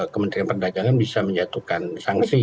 kementerian perdagangan bisa menjatuhkan sanksi